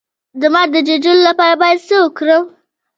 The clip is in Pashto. د مار د چیچلو لپاره باید څه وکړم؟